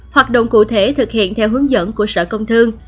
hoạt động cụ thể thực hiện theo hướng dẫn